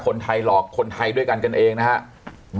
คนไทยหลอกคนไทยด้วยกันกันเองนะครับ